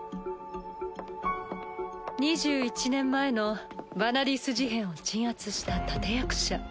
２１年前のヴァナディース事変を鎮圧した立て役者。